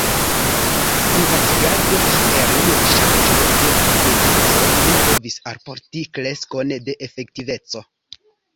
Privatigado kiel nur ŝanĝo de proprieteco ne povis alporti kreskon de efektiveco.